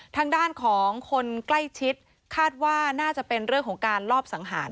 ทางด้านของคนใกล้ชิดคาดว่าน่าจะเป็นเรื่องของการลอบสังหาร